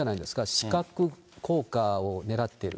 視覚効果をねらってる。